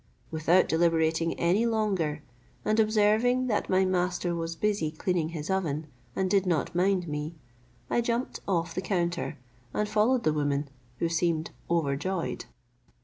Without deliberating any longer, and observing that my master was busy cleaning his oven, and did not mind me, I jumped off the counter, and followed the woman, who seemed overjoyed.